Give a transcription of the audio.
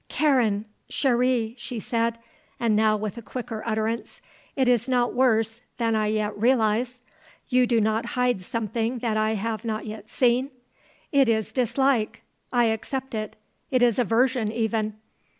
"Karen, chérie," she said, and now with a quicker utterance; "it is not worse than I yet realise? You do not hide something that I have not yet seen. It is dislike; I accept it. It is aversion, even.